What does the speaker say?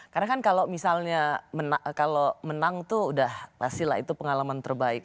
karena kan kalau misalnya kalau menang tuh udah pastilah itu pengalaman terbaik